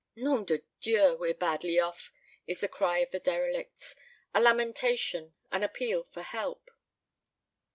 "Nom de Dieu, we're badly off!" is the cry of the derelicts a lamentation, an appeal for help.